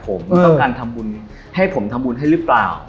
ผมต้องการทำบุญให้ผมทำบุญให้หรือเปล่า